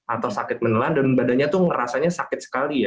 atau sakit menelan dan badannya itu merasanya sakit sekali